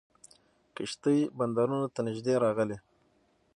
کښتۍ بندرونو ته نیژدې راغلې.